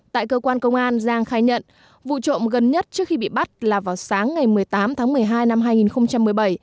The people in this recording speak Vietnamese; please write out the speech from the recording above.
tại cơ quan công an giang khai nhận vụ trộm gần nhất trước khi bị bắt là vào sáng ngày một mươi tám tháng một mươi hai năm hai nghìn một mươi bảy